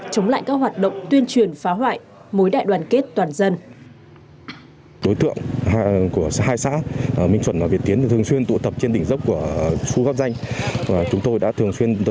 chống lại các hoạt động tuyên truyền phá hoại mối đại đoàn kết toàn dân